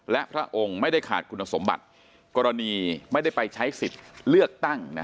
และพระองค์ไม่ได้ขาดคุณสมบัติกรณีไม่ได้ไปใช้สิทธิ์เลือกตั้ง